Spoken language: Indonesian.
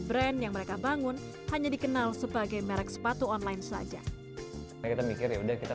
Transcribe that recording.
brand yang mereka bangun hanya dikenal sebagai merek sepatu online saja kita